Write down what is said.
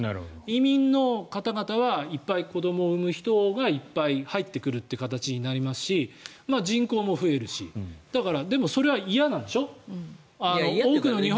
移民の方々はいっぱい子どもを産む人がいっぱい入ってくる形になりますし人口も増えるしでも、それは嫌なんでしょ？